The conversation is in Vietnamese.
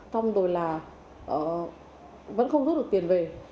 xong rồi là vẫn không rút được tiền về